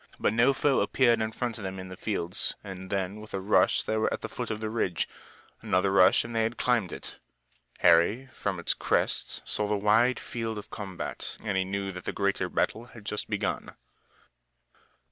But no foe appeared in front of them in the fields, and then with a rush they were at the foot of the ridge. Another rush and they had climbed it. Harry from its crest saw the wide field of combat and he knew that the greater battle had just begun.